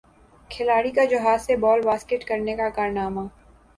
کھلاڑی کا جہاز سے بال باسکٹ کرنے کا کارنامہ